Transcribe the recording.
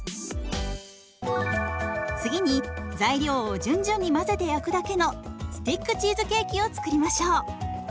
次に材料を順々に混ぜて焼くだけのスティックチーズケーキを作りましょう。